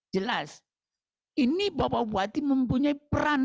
jelas ini bapak bupati mempunyai peran